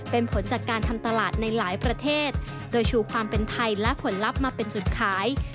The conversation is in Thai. เป็นผลจากการทำตลาดในหลายประเทศโดยชูความเป็นไทยและผลลัพธ์มาเป็นจุดขาย